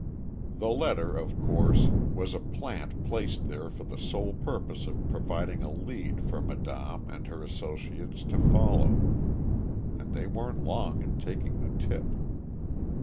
The letter, of course, was a plant placed there for the sole purpose of providing a lead for madame and her associates to follow. And they weren't long in taking the tip.